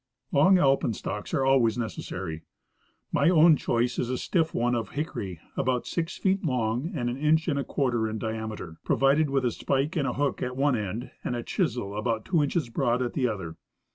Long alpenstocks are always necessary. My own choice is a stiff one of hickory, about six feet long and an inch and a cpiarter in diameter, provided with a spike and hook at one end and a chisel about tAvo inches broad at the other.